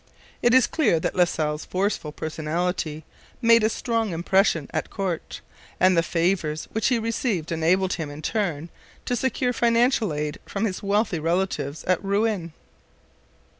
It is clear that La Salle's forceful personality made a strong impression at court, and the favours which he received enabled him, in turn, to secure financial aid from his wealthy relatives at Rouen.